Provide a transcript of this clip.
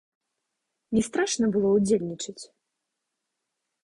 Не страшна было ўдзельнічаць?